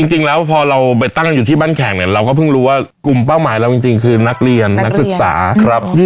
จริงแล้วพอเราไปตั้งอยู่ที่บ้านแข่งเนี่ยเราก็เพิ่งรู้ว่ากลุ่มเป้าหมายเราจริงคือนักเรียนนักศึกษาครับ